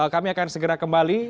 kami akan segera kembali